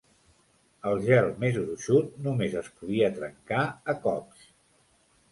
El gel més gruixut només es podia trencar a cops.